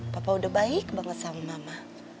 papa udah baik banget sama mama